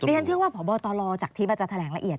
แล้วอย่างนั้นเชื่อว่าผอบบตลอจากทิพย์อาจจะแถลงละเอียด